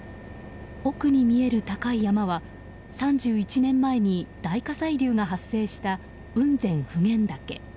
奥に見える高い山は３１年前に大火砕流が発生した雲仙・普賢岳。